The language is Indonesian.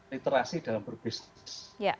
literasi dalam berbisnis